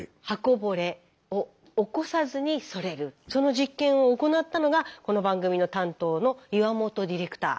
その実験を行ったのがこの番組の担当の岩本ディレクター。